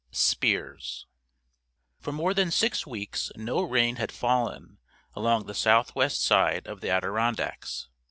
Spears For more than six weeks no rain had fallen along the southwest side of the Adirondacks.